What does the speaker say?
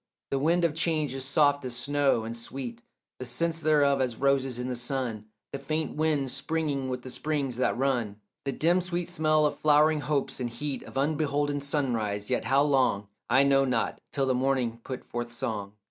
The wind of change is soft as snow, and sweet The sense thereof as roses in the sun, The faint wind springing with the springs that run, The dim sweet smell of flowering hopes, and heat Of unbeholden sunrise; yet how long I know not, till the morning put forth song.